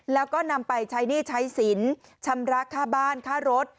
แล้วก็นำไปใช้หนี้ใช้สินชำระค่าบ้านค่ารถ